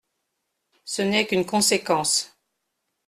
Ce n’est qu’une conséquence.